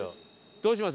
どうします？